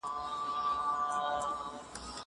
زه پرون پوښتنه وکړه!